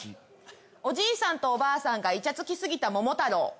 おじいさんとおばあさんがいちゃつきすぎた『桃太郎』。